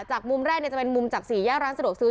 มุมแรกจะเป็นมุมจากสี่แยกร้านสะดวกซื้อ